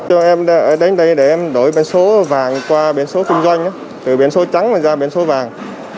cho em đến đây để em đổi biển số vàng qua biển số kinh doanh từ biển số trắng ra biển số vàng